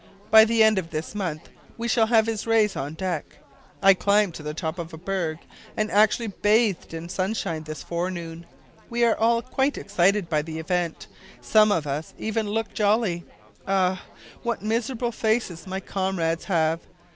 By the end of this month we shall have his rays on deck. I climbed to the top of a berg and actually bathed in sunshine this forenoon! We are all quite excited by the event, some of us even look jolly. Ah! what miserable faces my comrades have!